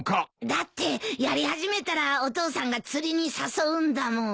だってやり始めたらお父さんが釣りに誘うんだもん。